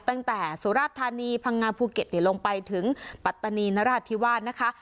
สุราชธานีพังงาภูเก็ตลงไปถึงปัตตานีนราธิวาสนะคะ